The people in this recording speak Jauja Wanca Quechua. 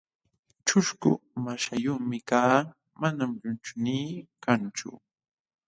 ćhusku maśhayuqmi kaa, manam llunchuynii kanchu.